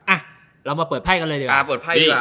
อ่ะเรามาเปิดไพ่กันเลยดีกว่า